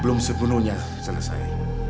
belum sepenuhnya selesai